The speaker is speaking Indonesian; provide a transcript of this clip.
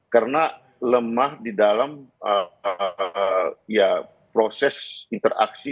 karena lemah di dalam ya proses interaksi